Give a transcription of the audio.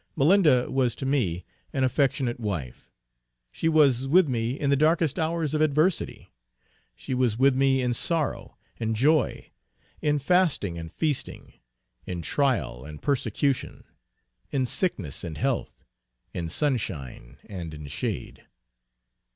Malinda was to me an affectionate wife. She was with me in the darkest hours of adversity. She was with me in sorrow, and joy, in fasting and feasting, in trial and persecution, in sickness and health, in sunshine and in shade.